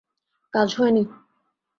কাজ হয় নি।